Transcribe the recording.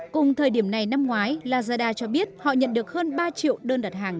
cùng thời điểm này năm ngoái lazada cho biết họ nhận được hơn ba triệu đơn đặt hàng